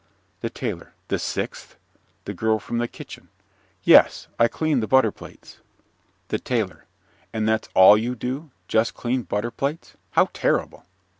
THE TAILOR The sixth? THE GIRL FROM THE KITCHEN Yes, I clean the butter plates. THE TAILOR And that's all you do? Just clean butter plates? How terrible!